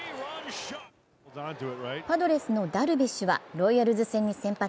パドレスのダルビッシュはロイヤルズ戦に先発。